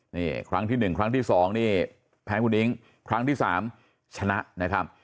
นี่ครั้งที่๑ครั้งที่๒นี่แพ้คุณอิ๊งครั้งที่๓ชนะนะครับ